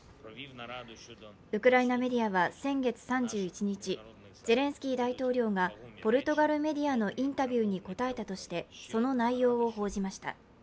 ウクライナメディアは先月３１日ゼレンスキー大統領がポルトガルメディアのインタビューに答えたとして、その内容を報じました。